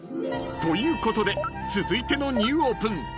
［ということで続いてのニューオープン